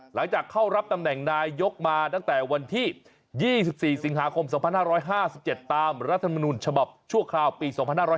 หลังจากเข้ารับตำแหน่งนายกมาตั้งแต่วันที่๒๔สิงหาคม๒๕๕๗ตามรัฐมนุนฉบับชั่วคราวปี๒๕๕๙